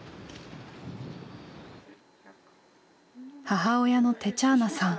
母親のテチャーナさん。